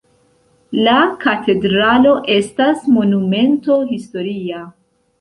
La katedralo estas Monumento historia.